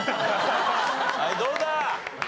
はいどうだ？